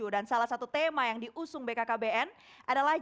dan salah satu tema yang diusung bkkbn adalah